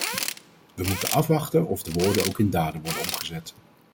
We moeten afwachten of de woorden ook in daden worden omgezet.